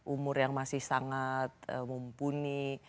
umur yang masih sangat mumpuni